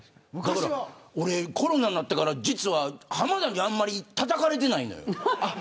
俺、コロナになってから実は浜田にあんまりたたかれてないのよ。